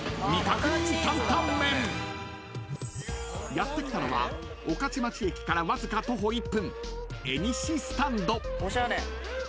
［やって来たのは御徒町駅からわずか徒歩１分］